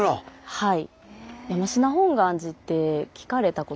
はい。